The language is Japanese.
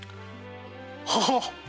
ははっ。